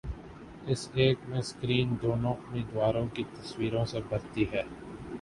اس ایک میں سکرین دونوں امیدواروں کی تصویروں سے بھرتی ہے